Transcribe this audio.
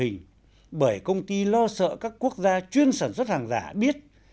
không quay phim chụp hình bởi công ty lo sợ các quốc gia chuyên sản xuất hàng giả biết